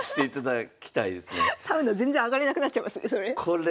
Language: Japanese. サウナ全然上がれなくなっちゃいますねそれ。